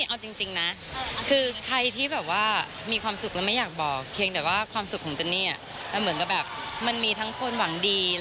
ยังไม่มีอะไรนะคะยังไม่มีอะไร